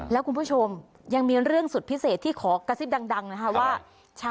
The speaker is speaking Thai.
แล้วคุณผู้ชมยังมีเรื่องสุดพิเศษที่ขอกระซิบดังนะคะว่า